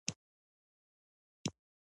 هیلۍ د ښکارچیانو له لاسه په خطر کې ده